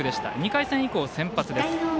２回戦以降、先発です。